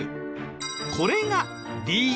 これがＤ．Ｉ．。